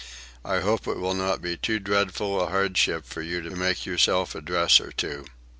"I hope it will not be too dreadful a hardship for you to make yourself a dress or two."